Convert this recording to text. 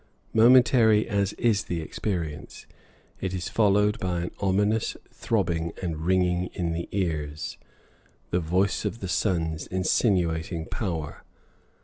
Momentary as is the experience, it is followed by an ominous throbbing and ringing in the ears the voice of the sun's insinuating power.